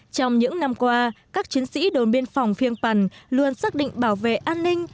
trong những năm qua các chiến sĩ đồn biên phòng phiên pân luôn xác định bảo vệ an ninh